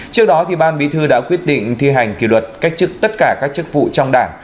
trước đó ban bí thư đã quyết định thi hành kỷ luật cách chức tất cả các chức vụ trong đảng